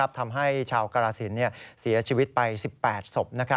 ทำให้ชาวกรสินเสียชีวิตไป๑๘ศพ